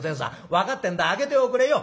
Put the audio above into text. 分かってんだ開けておくれよ」。